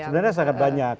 sebenarnya sangat banyak